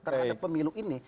karena ada pemilu ini